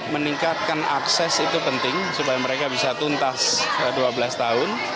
meningkatkan akses itu penting supaya mereka bisa tuntas dua belas tahun